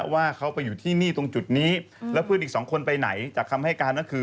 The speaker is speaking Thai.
ว่าเขาไปอยู่ที่นี่ตรงจุดนี้แล้วเพื่อนอีกสองคนไปไหนจากคำให้การก็คือ